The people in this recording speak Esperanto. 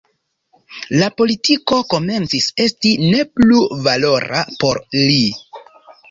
La politiko komencis esti ne plu valora por li.